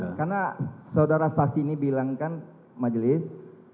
ya karena saudara saksi ini bilang kan majelis